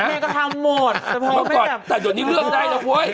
แม่ก็ทำหมดแต่สมมุติแบบแต่โดยนี้เรื่องได้แล้วโหย